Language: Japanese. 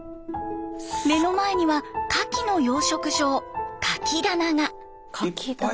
目の前にはカキの養殖場カキ棚が。